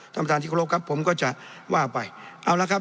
ท่านประธานที่เคารพครับผมก็จะว่าไปเอาละครับ